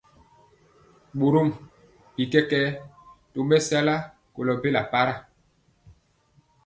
Borom bi kɛkɛɛ tomesala kolo bela para.